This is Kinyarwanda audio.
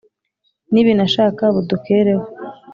nibinashaka budukereho